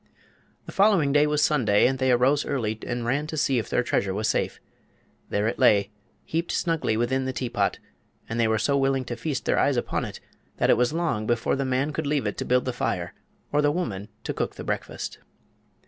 The following day was Sunday, and they arose early and ran to see if their treasure was safe. There it lay, heaped snugly within the teapot, and they were so willing to feast their eyes upon it that it was long before the man could leave it to build the fire or the woman to cook the breakfast.